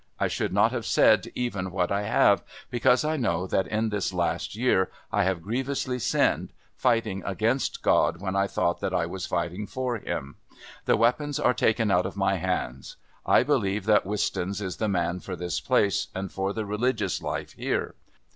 I should not have said even what I have, because I know that in this last year I have grievously sinned, fighting against God when I thought that I was fighting for Him. The weapons are taken out of my hands. I believe that Wistons is the man for this place and for the religious life here.